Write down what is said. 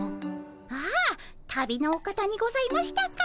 ああ旅のお方にございましたか。